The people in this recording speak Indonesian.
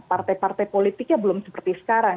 partai partai politiknya belum seperti sekarang